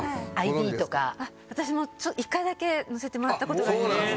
私も一回だけ載せてもらった事がありました。